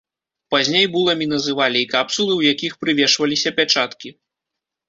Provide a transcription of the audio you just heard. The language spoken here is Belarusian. Пазней буламі называлі і капсулы, у якіх прывешваліся пячаткі.